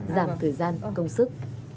giảm thời gian công sức